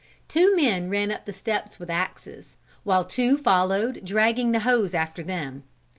Two men ran up the steps with axes, while two followed dragging the hose after them.